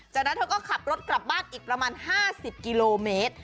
จากนั้นเธอก็ขับรถกลับบ้านอีกประมาณ๕๐กิโลเมตร